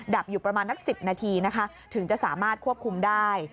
อยู่ประมาณนัก๑๐นาทีนะคะถึงจะสามารถควบคุมได้